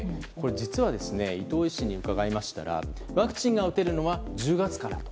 実は、伊藤医師に伺いましたらワクチンが打てるのは１０月から。